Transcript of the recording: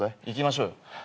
行きましょうよ。